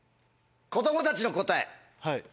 子供たちの答え。